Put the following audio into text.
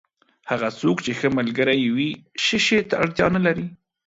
هغه څوک چې ښه ملګری يې وي، شیشې ته اړتیا نلري.